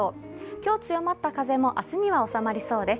今日強まった風も明日には収まりそうです。